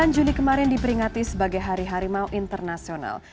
dua puluh sembilan juli kemarin diperingati sebagai hari harimau internasional